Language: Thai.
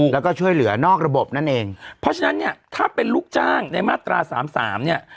แล้วก็ช่วยเหลือนอกระบบนั่นเองเพราะฉะนั้นเนี่ยถ้าเป็นลูกจ้างในมาตราสามสามเนี่ย